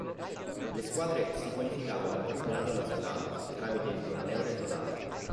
Le squadre si qualificavano al Campionato Nacional tramite il Torneo Regional.